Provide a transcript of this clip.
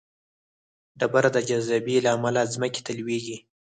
ډبره د جاذبې له امله ځمکې ته لویږي.